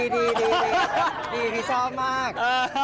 ดีชอบมาก